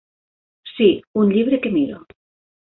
Sí, un llibre que miro.